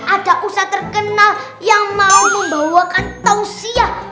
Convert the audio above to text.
ada usah terkenal yang mau membawakan tausiyah